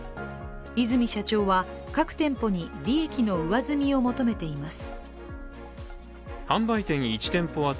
和泉社長は各店舗に利益の上積みを求めています。